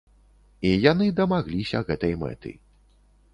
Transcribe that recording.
І яны дамагліся гэтай мэты.